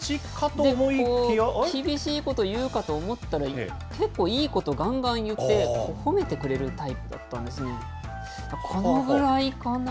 厳しいこと言うかと思ったら、結構、いいことがんがん言って褒めてくれるタイプだったんですね。